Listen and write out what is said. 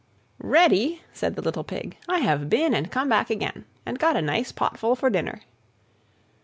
"Ready!" said the little Pig, "I have been and come back again, and got a nice pot full for dinner."